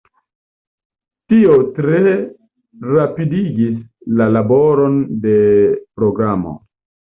Tio tre rapidigis la laboron de programo.